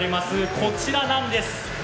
こちらなんです。